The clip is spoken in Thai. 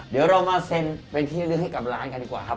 เดี๋ยวเรามาเซ็นเป็นที่ลึกให้กับร้านกันดีกว่าครับ